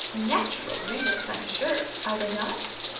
Natural_ ringlets, I'm sure, are they not?"